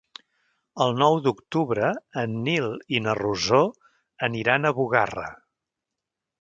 El nou d'octubre en Nil i na Rosó aniran a Bugarra.